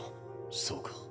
そうか。